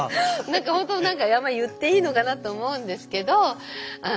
本当何か言っていいのかなと思うんですけど。